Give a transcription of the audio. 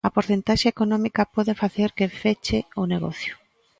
A porcentaxe económica pode facer que feche o negocio.